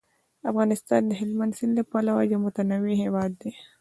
افغانستان د هلمند سیند له پلوه یو متنوع هیواد دی.